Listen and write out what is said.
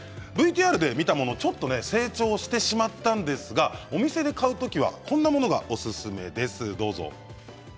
ＶＴＲで見たもの、ちょっと成長してしまったんですがお店で買うときはこんなものがおすすめです。